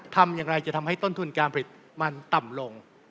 ทำอย่างไรจะทำให้ต้นทุนการผลิตมันต่ำลง